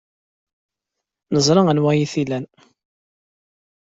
Neẓra anwa ay tt-ilan.